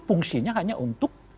fungsinya hanya untuk